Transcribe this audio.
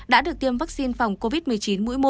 đã được tiêm vaccine phòng covid một mươi chín mũi một